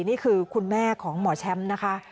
นี่คือคุณแม่ของหมอแชมป์นะคะ